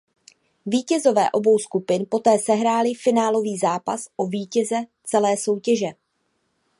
Vítězové obou skupin poté sehráli finálový zápas o vítěze celé soutěže.